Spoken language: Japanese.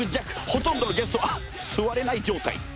ほとんどのゲストが座れない状態。